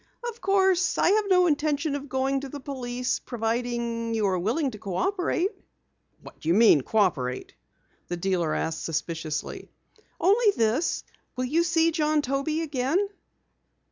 "Of course, I have no intention of going to the police, providing you are willing to cooperate." "What d'you mean, cooperate?" the dealer inquired suspiciously. "Only this. Will you see John Toby again?"